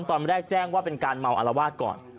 ตอนแรกแจ้งว่าเป็นการเมาอารวาสก่อน